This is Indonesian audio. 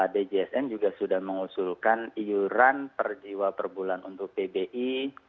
djsn juga sudah mengusulkan iuran per jiwa per bulan untuk pbi tiga puluh enam